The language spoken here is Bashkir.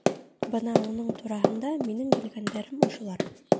Бына уның тураһында минең белгәндәрем ошолар